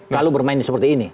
kalau bermain seperti ini